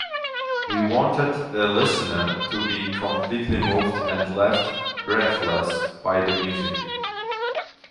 We wanted the listener to be completely moved and left breathless by the music.